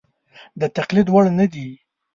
د تقلید وړ نه دي.